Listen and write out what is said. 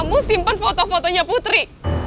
kamu simpan foto fotonya putri